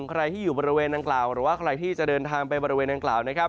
ใครที่อยู่บริเวณดังกล่าวหรือว่าใครที่จะเดินทางไปบริเวณนางกล่าวนะครับ